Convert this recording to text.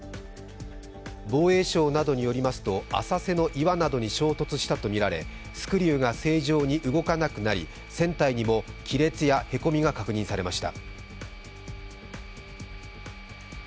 防衛省などによりますと浅瀬の岩などに衝突したとみられスクリューが正常に動かなくなり船体にも亀裂やへこみが確認されました。